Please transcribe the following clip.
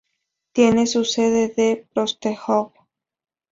Tiene su sede en Prostějov.